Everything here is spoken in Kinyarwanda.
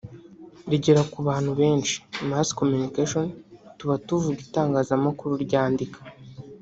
rigera ku bantu benshi (mass communication) tuba tuvuga Itangazamakuru ryandika